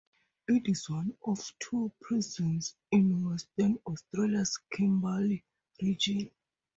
It is one of two prisons in Western Australia's Kimberley region.